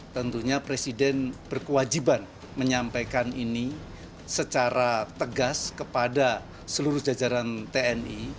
tentunya presiden berkewajiban menyampaikan ini secara tegas kepada seluruh jajaran tni